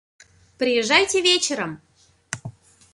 Приезжайте вечером.